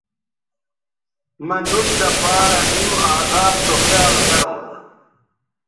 مہ نُوٹ دہ پارہ ایوں اداب سو خیال گرونݜ